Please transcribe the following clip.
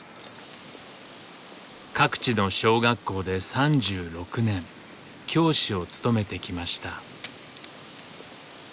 各地の小学校で３６年教師を務めてきました。